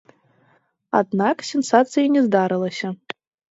Аднак, сенсацыі не здарылася.